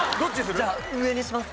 じゃあ上にしますか。